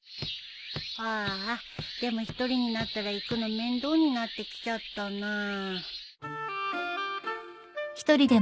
ああでも一人になったら行くの面倒になってきちゃったなあ。